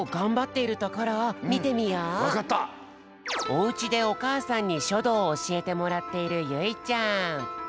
おうちでおかあさんにしょどうをおしえてもらっているゆいちゃん。